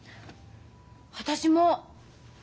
私も。